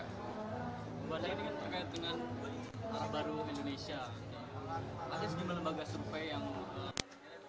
pembahasan ini kan terkait dengan arah baru indonesia gitu